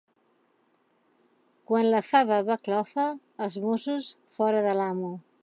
Quan la fava fa clofa, els mossos fora de l'amo.